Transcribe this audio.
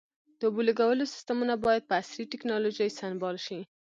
د اوبو لګولو سیستمونه باید په عصري ټکنالوژۍ سنبال شي.